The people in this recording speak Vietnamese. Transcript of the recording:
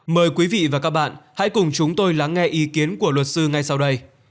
mời quý vị và các bạn hãy cùng chúng tôi lắng nghe ý kiến của luật sư ngay sau đây